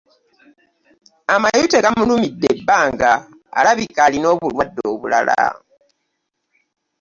Amayute gamulumidde ebbanga alabika alina obulwadde obulala.